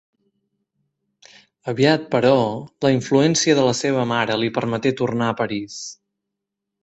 Aviat, però, la influència de la seva mare li permeté tornà a París.